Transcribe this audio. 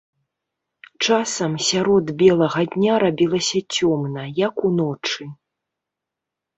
Часам сярод белага дня рабілася цёмна, як уночы.